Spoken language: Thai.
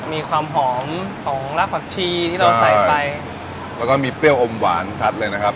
มีความหอมของรากผักชีที่เราใส่ไปแล้วก็มีเปรี้ยวอมหวานชัดเลยนะครับ